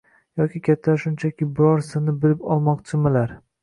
yoki kattalar shunchaki biror sirni bilib olmoqchimilar?